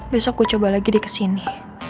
besok aku coba lagi deh kesini